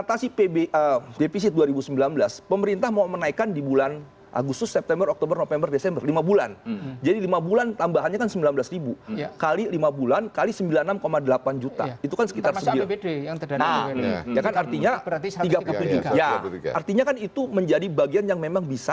artinya kan itu menjadi bagian yang memang bisa